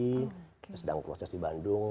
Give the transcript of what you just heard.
kita sedang proses di bandung